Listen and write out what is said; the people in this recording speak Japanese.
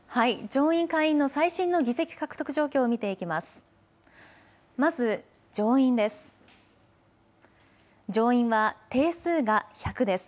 上院、下院の最新の議席獲得状況を見ていきます。